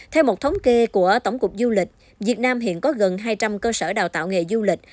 theo một thống kê của tổng cục du lịch việt nam hiện có gần hai trăm linh cơ sở đào tạo nghề du lịch